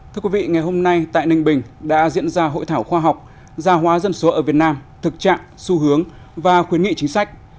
thưa quý vị ngày hôm nay tại ninh bình đã diễn ra hội thảo khoa học gia hóa dân số ở việt nam thực trạng xu hướng và khuyến nghị chính sách